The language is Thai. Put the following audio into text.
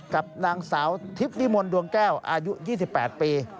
กับนางสาวทิพย์นิมนต์ดวงแก้วอายุ๒๘ปี